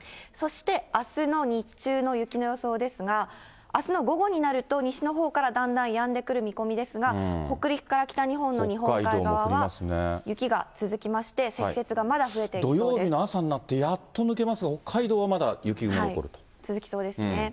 そして、あすの日中の雪の予想ですが、あすの午後になると、西のほうからだんだんやんでくる見込みですが、北陸から北日本の日本海側は雪が続きまして、土曜日の朝になって、やっと抜けますが、北海道はまだ雪雲残ると。